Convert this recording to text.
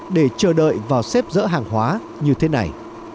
để chờ đợi vào xếp dỡ hàng hóa như thế này